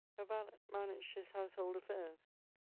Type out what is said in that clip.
A valet managed his household afiairs.